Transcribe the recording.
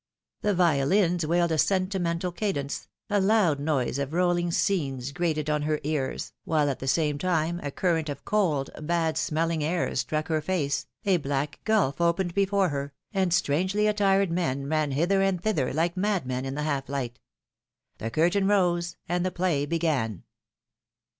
The violins wailed a sentimental cadence, a loud noise of rolling scenes grated on her ears, while at the same time a current of cold, bad smelling air struck her face, a black gulf opened before her, and strangely attired men ran hither and thither, like madmen, in the half light. The curtain rose and the play began.